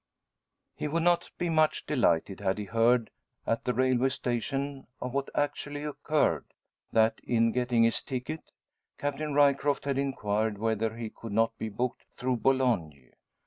He would not be much delighted had he heard at the railway station of what actually occurred that in getting his ticket Captain Ryecroft had inquired whether he could not be booked through for Boulogne.